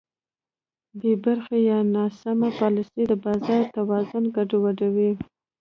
بېبرخې یا ناسمه پالیسي د بازار توازن ګډوډوي.